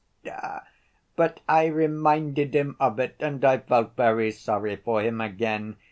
But I reminded him of it and I felt very sorry for him again.